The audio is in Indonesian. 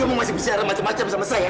kamu masih bicara macam macam sama saya